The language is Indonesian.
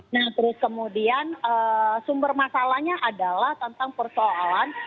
nah terus kemudian sumber masalahnya adalah tentang persoalan